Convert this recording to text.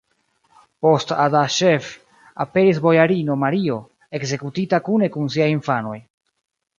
Post Adaŝev aperis bojarino Mario, ekzekutita kune kun siaj infanoj.